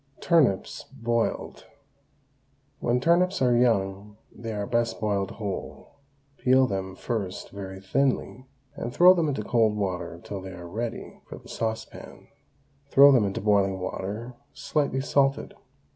TURNIPS, BOILED. When turnips are young they are best boiled whole. Peel them first very thinly, and throw them into cold water till they are ready for the saucepan. Throw them into boiling water slightly salted.